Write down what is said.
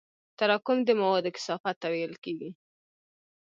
تراکم د موادو کثافت ته ویل کېږي.